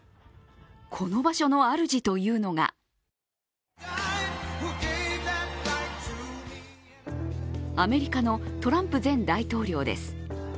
この場所の主というのがアメリカのトランプ前大統領です。